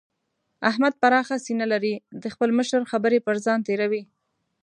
احمد پراخه سينه لري؛ د خپل مشر خبرې پر ځان تېروي.